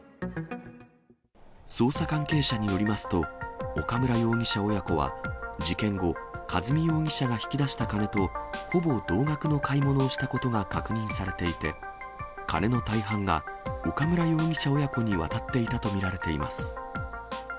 捜査関係者によりますと、岡村容疑者親子は、事件後、和美容疑者が引き出した金とほぼ同額の買い物をしたことが確認されていて、金の大半が岡村容疑者親子に渡っていたと見られています。